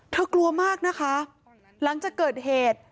กลัวมากนะคะหลังจากเกิดเหตุ